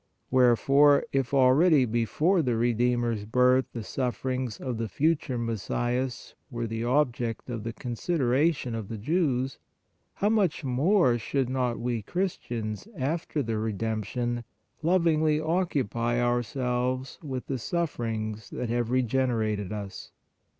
Wherefore, if already before the Redeemer s birth the sufferings of the future Messias were the object of the i;8 PRAYER consideration of the Jews, how much more should not we Christians, after the Redemption, lovingly occupy ourselves with the sufferings that have re generated us